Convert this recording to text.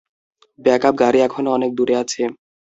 Backup গাড়ি এখনো অনেক দুরে আছে।